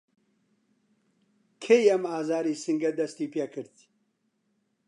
کەی ئەم ئازاری سنگه دەستی پیکرد؟